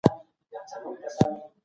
د پرمختګ لپاره نوي پلانونه ترتيب سول.